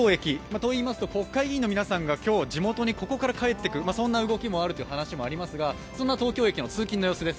といいますと国会議員の皆さんが今日、地元にここから帰っていくという動きもあるという話もありますが、そんな東京駅の通勤の様子です。